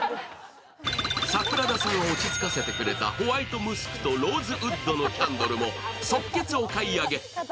桜田さんを落ち着かせてくれたホワイトムスクとローズウッドのキャンドルも即決お買い上げ。